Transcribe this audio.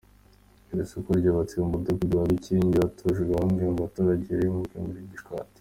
Iri soko ryubatse mu mudugudu wa Bikingi, ahatujwe bamwe mu baturage bimuwe muri Gishwati.